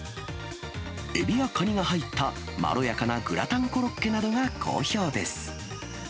エビやカニが入ったまろやかなグラタンコロッケなどが好評です。